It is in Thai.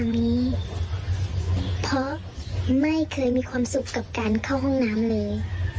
ไม่เคยมีความสุขกับการเข้าห้องน้ำเลย